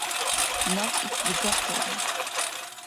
Наб ит дигахъулра.